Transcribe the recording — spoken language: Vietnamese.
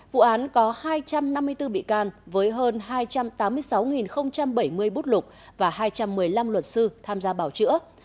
vụ án có hai trăm năm mươi bốn bị can với hơn hai trăm tám mươi sáu bảy mươi bút lục và hai trăm một mươi năm luật sư tham gia bảo chữa